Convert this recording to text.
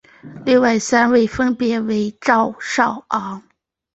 另外三位分别为赵少昂。